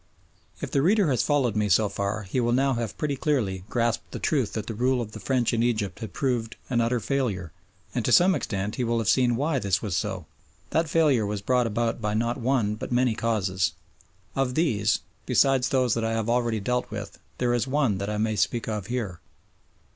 If the reader has followed me so far he will now have pretty clearly grasped the truth that the rule of the French in Egypt had proved an utter failure, and to some extent he will have seen why this was so. That failure was brought about by not one but many causes. Of these, besides those that I have already dealt with, there is one that I may speak of here.